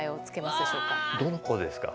どの子ですか？